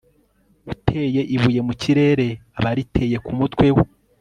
uteye ibuye mu kirere aba ariteye ku mutwe we